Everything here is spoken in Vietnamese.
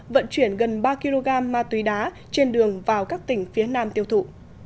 vận chuyển gần ba kg ma túy đá trên đường vào các tỉnh phía nam tiêu thụ